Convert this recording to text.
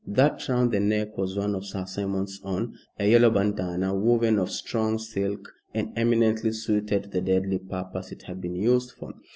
That round the neck was one of Sir Simon's own, a yellow bandana woven of strong silk, and eminently suited to the deadly purpose it had been used for.